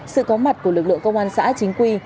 sự có mặt của lực lượng công an xã chính quy